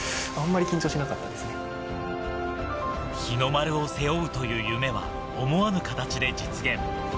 日の丸を背負うという夢は、思わぬ形で実現。